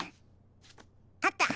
あった。